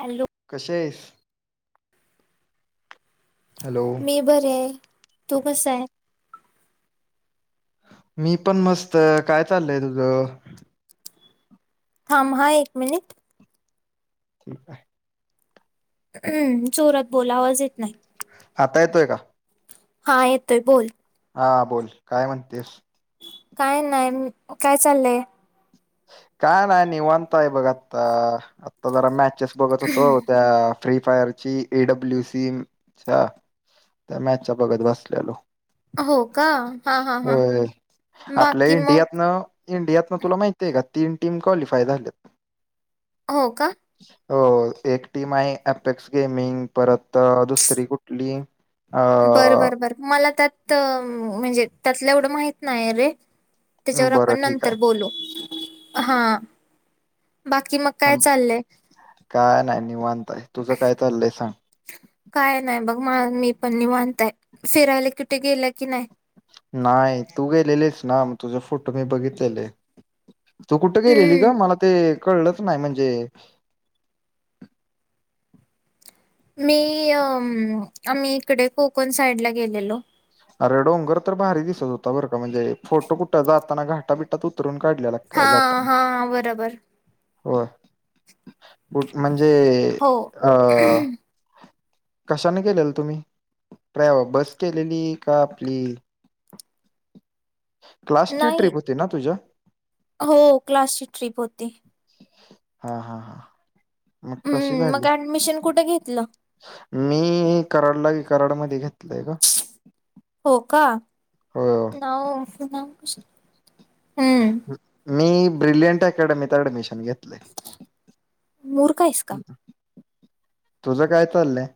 Hello कशी आहेस..? Hello मी बरीय तू कसाय. मी पण मस्त काय चाललय तुझं. थांब हा एक मिनिट. ठीक आहे हम्म चोरात बोल अवाज येत नाही. आता येतोय का? हा येतोय बोल. हा बोल काय म्हणतेस. काय नाय काय चाललंय. का नाय निवांताय बघ आता आता जरा मॅचेस बघत होतो त्या फ्री फायरची एडब्ल्यू सी त्या मॅच च्या बघत बसल्यालो. हो का हा हा हा हो आपल्या बाकी मग इंडियातन. इंडियातन तुला माहिती आहे का तीन टीम क्वालिफाय झाल्यात. हो का हो एक टीम आहे अपेक्स गेमिंग परत दुसरी कुठली. अ बर बरं बर मला त्यात म्हणजे त्यातल्या एवढं माहत नाही रे. त्याच्यावर बरं आपण ठीक नंतर बोलू हा बाकी मग. काय चाललंय काय नाही निवांतय तुझं काय चाललंय सांग. काय नाही बघ म मी पण निवांतय फिरायला कुठे गेला की नाही नाही तू गेलेलीस ना मग तुझे फोटो मी बघितलेले. तू कुठं गेलेली ग हम्म मला ते कळलंच नाही म्हणजे. मी आम्ही इकडे कोकण साईडला गेलेलो. अरे डोंगर तर भारी दिसत होता बरं का म्हणजे फोटो कुठं जाताना घाटा बिटात उतरून काढल्याला हा काय जाताना. हा बरोबर. हो कठ म्हणजे हो अ कशाने केलेलं तुम्ही म्हणजे बस केलेली का आपली [inaudible] क्लास ची नाही ट्रिप होती ना तुझ्या..? हो क्लासची ट्रिप होती. हा हा हा मग कशी हम्म मग झाली? ऍडमिशन कुठे घेतलं? मी कराडला कराडमध्ये घेतलंय का. हो का हो ना हम्म मी ब्रिलियंट अकॅडमीत ऍडमिशन घेत मूर्ख आहेस का? तुझं काय चाललंय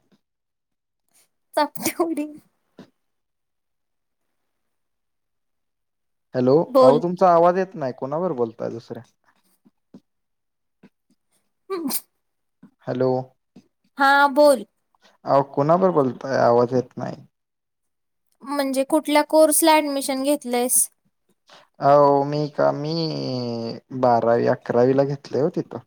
[unintelligible] हॅलो आओ बोल. तुमचा आवाज येत नाही कोणाबरोबर बोलताय दुसरे [inaudible] हॅलो हा बोल आओ कोणावर बोलतोय आवाज येत नाही. म्हणजे कुठल्या कोर्स ला ऍडमिशन घेतलंयेस? हो मी का मी बारावी अकरावीला घेतले हो तिथ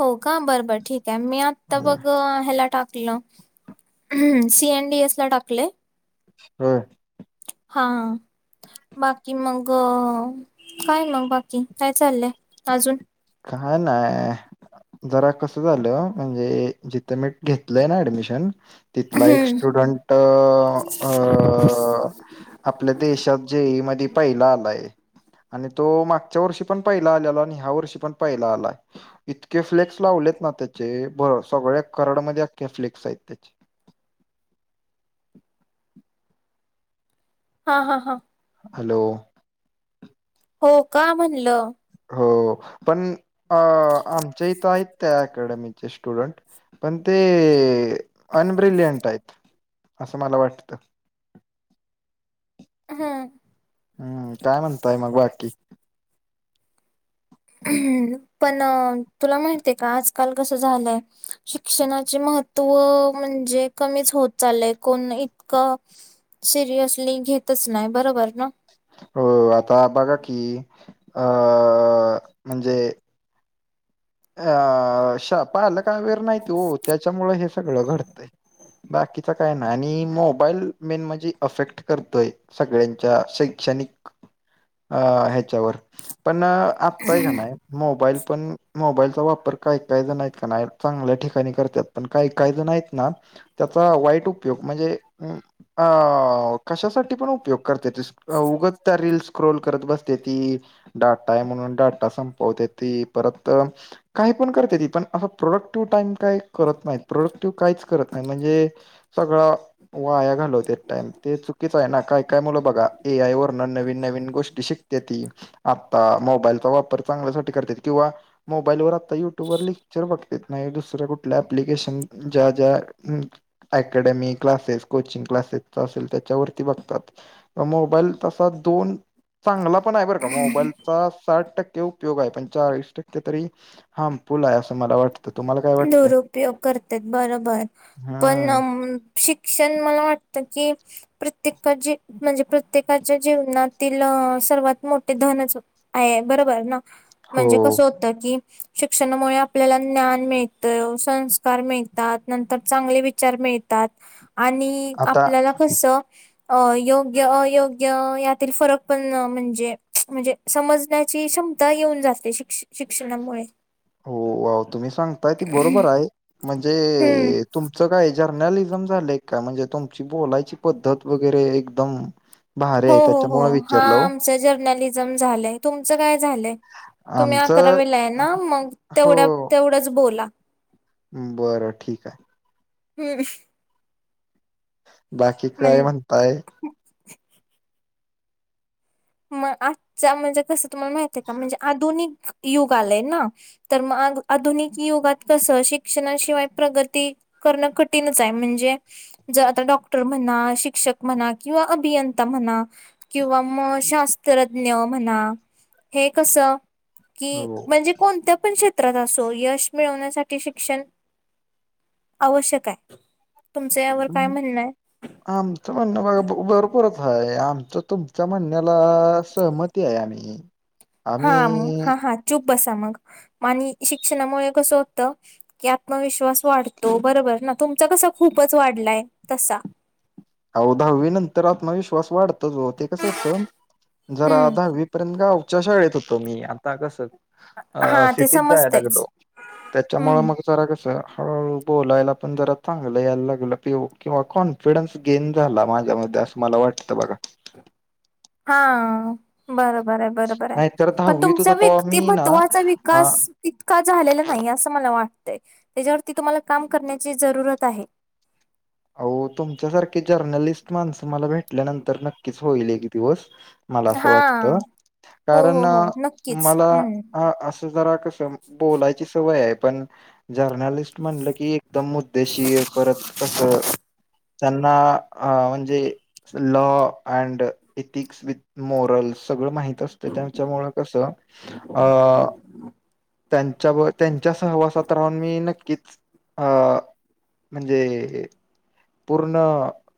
हो का बरं बर ठीक आहे मी आत्ता बघ ह्याला टाकलं ह्म सीएनडी एस ला टाकले होय. हा बाकी मग काय मग बाकी काय चाललंय अजून? काय नाय जरा कस झालं म्हणजे जिथं मी घेतलंय ना ऍडमिशन तिथला एक स्टुडंट अ आ अ आपल्या देशात जेइ मध्ये पहिला आलाय. आणि तो मागच्या वर्षी पण पहिला आलेला आणि ह्या वर्षी पण पहिला आला. इतके फ्लेक्स लावलेत ना त्याचे बर सगळ्या कराडमध्ये अख्खे फ्लेक्स आहेत त्याचे हा हा हा हॅलो हो का म्हणलं हो पण आमच्या इथ आहेत त्या अकॅडमीचे स्टुडंट पण ते अनब्रिलियंट आहेत असं मला वाटतं. हा हम्म काय म्हणताय मग बाकी? ह् पण तुला माहितीय का आजकाल कसं झालंय शिक्षणाचे महत्त्व म्हणजे कमीच होत चालय कोण इतकं सिरियसली घेतच नाही बरोबर ना. हो आता बघा की अ म्हणजे अ श पालक वर नाहीत हो त्याच्यामुळ हे सगळं घडतंय बाकीचा काय ना आणि मोबाईल मेन म्हणजे अफेक्ट करतोय सगळ्यांच्या शैक्षणिक अ ह्याच्यावर पण आत्ताय का नाही मोबाईल पण मोबाईलचा वापर काही काही जण आहेत का नाही चांगल्या ठिकाणी करतात पण काही काही जण आहेत ना त्याचा वाईट उपयोग म्हणजे अ कशासाठी पण उपयोग करत्याती उगाच त्या रिल्स स्क्रोल करत बस्त्याती डाटा आहे म्हणून डाटा संपवते ती परत काही पण करते ती पण असं प्रोडक्टिव्ह टाइम काय करत नाहीत, प्रोडक्टिव्ह काहीच करत नाही म्हणजे सगळं वा आया घालवते टाइम ते चुकीच आहे ना काय काय मुलं बघा ए आय वरन नवीन नवीन गोष्टी शिक ते ती आता मोबाईलचा वापर चांगल्यासाठी करते किंवा मोबाईलवर आता युट्यूबवरर लेक्चर बघत नाही दुसऱ्या कुठल्या एप्लीकेशन ज्या ज्या अकॅडमी क्लासेस कोचिंग क्लासेस असेल त्याच्यावरती बघतात मोबाईल तसा दोन चांगला पण आहे बरं का मोबाईलचा साठ टक्के उपयोग आहे पण चाळीस टक्के तरी हा पूल आहे असं मला वाटतं. तुम्हाला काय वाटतंय दुरुपयोग करते बरोबर पण. हम्म शिक्षण मला वाटतं की. प्रत्येका ज म्हणजे प्रत्येकाच्या जीवनातील सर्वात मोठे धनच हो. आहे बरोबर ना हो म्हणजे कसं होतं की शिक्षणामुळे आपल्याला ज्ञान मिळत. संस्कार मिळतात नंतर चांगले विचार मिळतात आणि. आता आपल्याला कस. अ योग्य अयोग्य यातील फरक पण म्हणजे म्हणजे. समजण्याची क्षमता येऊन जातते शिक् शिक्षणामुळे. हो तुम्ही सांगताय ती बरोबर आहे हम्म म्हणजे. तुमचं काय जर्नलिझम झाले का म्हणजे तुमची बोलायची पद्धत वगैरे एकदम. भारी हो आहे हो हो त्याच्यामु हा विचारलं. जर्नलिझम झालंय तुमचं काय झालं. तुम्ही अकरा आमचं वेला आहे ना मग हो तेवढ्या तेवढंच बोला. बरं ठीक आहे हम्म बाकी काय म्हण म्हणताय. मग आजच्या म्हणजे कसं तुम्हाला माहित आहे का म्हणजे आधुनिक युग आलय ना. तर मग आधुनिक युगात कसं शिक्षणाशिवाय प्रगती करणं कठीणच आहे म्हणजे. ज आता डॉक्टर म्हणा शिक्षक म्हणा किंवा अभियंता म्हणा किंवा म शात्रज्ञ म्हणा हे कस की हो म्हणजे. कोणत्या पण क्षेत्रात असो यश मिळवण्यासाठी शिक्षण आवश्यक आहे. तुमचं यावर काय हम्म, म्हणणं आहे आमचं म्हणणं बघा भरपूरच आहे आमचं तुमच्या म्हणण्याला सहमती आहे आम्ही. हम हा मग हा हा चूप बसा मग आणि शिक्षणामुळे कसं होतं. की आत्मविश्वास वाढतो बरोबर ना तुमचा कसा खूपच वाढलाय तसा. अव दहावी नंतर आत्मविश्वास वाढतच होते कसं होत जरा हम्म दहावी. पर्यंत ग वच्याशा वळेत होतो मी आता कसं. अ हा ते सिटीत जाय समजतयच लागलो त्याच्यामु हम्म मग. जरा कसं हळूहळू बोलायला पण जरा चांगलं यायला लागेलं किंवा कॉन्फिडन्स. गेन झाला माझ्या म असं मला वाटतं बघा. हा बरोबर आहे. बरोबर नाहीतर आहे पण दहावीत तुमचा होतो तेव्हा मी ना व्यक्तिमत्वाचा अ विकास. तितका झालेला नाही असं मला वाटतंय त्याच्यावरती तुम्हाला काम करण्याची जरूरत आहे. अ तुमच्यासारखे जर्नलिस्ट माणसं मला भेटल्यानंतर नक्कीच होईल एक दिवस. मला असं हा वाटत हो कारण हो हो नक्कीच मला हम्म अस. सवय आहे पण जनरली म्हटलं की एकदम मुद्देशीर परत कस. त्यांना अ म्हणजे. Law and ethics with moral सगळं माहिती. असते त्यांच्यामु कसं अ. त्यांच्या त्यांच्या सहवासात राहून मी नक्कीच. अ म्हणजे. पूर्ण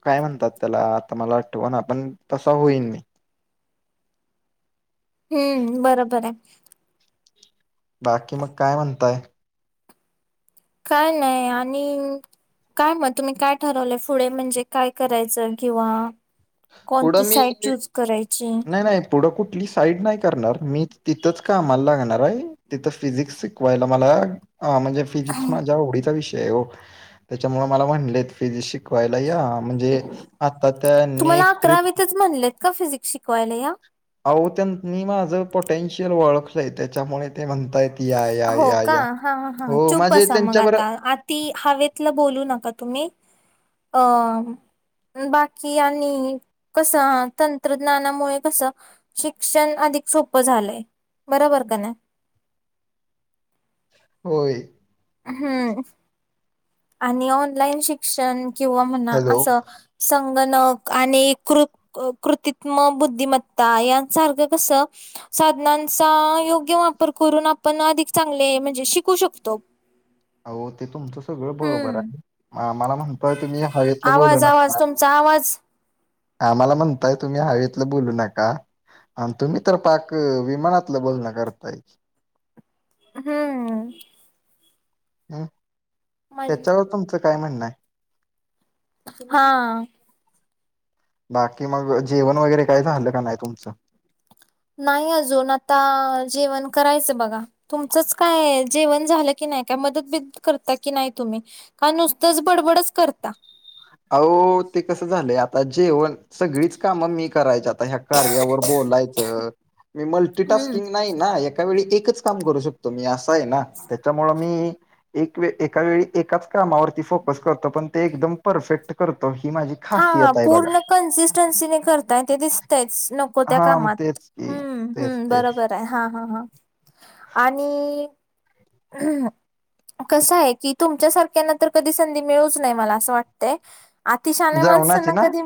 काय म्हणतात त्याला आता मला आठव ना पण तसा होईल नाही. हम्म बरोबर आहे. बाकी मग काय म्हणताय. काय नाही आणि. काय मग तुम्ही काय ठरवलंय पुढे म्हणजे काय करायचं किंवा. पुढं कोणती मी साईट चूज करायची नाही नाही पुढं कुठली साईड नाही करणार मी तिथंच कामाला लागणार आहे तिथं फिजिक्स शिकवायला मला हा म्हणजे फिजिक्स माझ्या एवढीचा विषय आहे हो त्याच्यामुळे मला म्हणले फिजिक शिकवायला या म्हणजे आता त्यांनी तुम्हाला एक ट्रिप अकरावीतच म्हणलेत का फिजिक्स शिकवायला या अह त्यां मी माझं पोटेन्शियल ओळखलंय त्याच्यामुळे ते म्हणतायत या या हो या का या हा हा हो चूप माझे बसा मग त्यांच्याबर आता ती हवेतला बोलू नका तुम्ही अ बाकी आणि कसं तंत्रज्ञानामुळे कसं शिक्षण अधिक सोपं झालंय बरोबर का नाही हो हम्म आणि ऑनलाईन शिक्षण किंवा म्हणा हॅलो असं संगणक आणि कृत कृत्म बुद्धिमत्ता यांसारखं कसं साधनांचा योग्य वापर करून आपण अधिक चांगले म्हणजे शिकू शकतो हो ते तुमचं सगळं बरोबर हम्म. आहे मला म्हणतोय तुम्ही हवेतलं बोल न वाज आम्हाला म्हणताय तुम्ही हवेतलं बोलू नका आणि तुम्ही तर पाक विमानातलं बोलणं करताय हम् हम् त्याच्यावर तुमचं काय म्हणणं आहे हा बाकी मग जेवण वगैरे काय झालं का नाही तुमचं नाही अजून आता जेवण करायचं बघा तुमचच काय जेवण झालं की नाही काय मदत ब करता की नाही तुम्ही का नुसतंच बडबडच करता अह ते कसं झालं आता जेवण सगळीच कामं मी करायच आता ह्या कारव्यावर बोलायचं मी मल्टी हम्म टास्किंग नाही ना एक एका वळी एकच काम करू शकतो मी असं आहे ना त्याच्यामुळे मी एक एका वळी एकाच कामावरती फोकस करतो पण ते एकदम परफेक्ट करतो ही माझी हा खासियत आहे बघा पूर्ण कन्सिस्टन्सी नाही करताय ते दिसतयच नको त्या हा म कामात तेच की हम्म तेच हम्म तेच बरोबर आहे हा हा हा आणि हम कसं आहे की तुमच्या सारख्यांना तर कधी संधी मिळूच नाही मला असं वाटतय अतिशलेय जेवणाची माणसांना ना कधी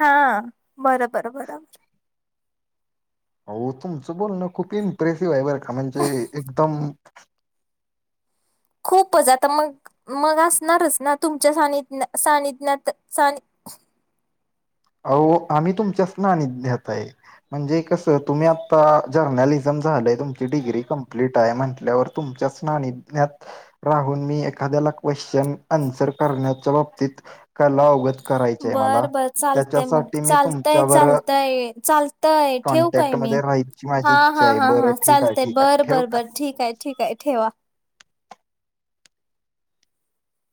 हा बरोबर बरोबर हो तुमचं बोल ना खूप इम्प्रेसिव्ह आहे बरं का म्हणजे एकदम खूपच आता मग मग असणारच ना तुमच्या सानिध सानिित्याात सा अ आम्ही तुमच्याच नाणी घ्याात आहे म्हणजे कस तुम्ही आता जर्नालिझम झालंय तुमची डिग्री कंप्लीट आहे म्हटल्यावर त चषनानी नञ राहून मी एखाद्याला क्वेशचन आन्सर करण्याच्या बाबतीत कला उगत करायचंय बर मला बर चालतय मग त्याच्यासाठी मी चालतय तुमच्यावर चालतय चालतय ठेव कॉन्टॅक्ट काय मी मध्ये राहायची माझी हा इच्छा हा आहे हा बरं हा ठीक आहे चालतय ठीक आहे बरं ठेव बर का? बर ठीक आहे ठीक आहे ठेवा